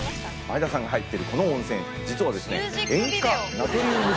前田さんが入っているこの温泉実は。